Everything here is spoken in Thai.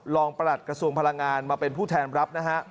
ประหลัดกระทรวงพลังงานมาเป็นผู้แทนรับนะฮะ